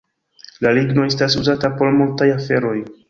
La ligno estas uzata por multaj aferoj.